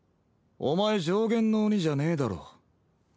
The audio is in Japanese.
お前上弦の鬼じゃねえだろ。